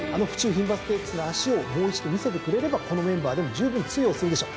牝馬ステークスの脚をもう一度見せてくれればこのメンバーでもじゅうぶん通用するでしょう。